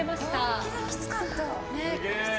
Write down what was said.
本気できつかった。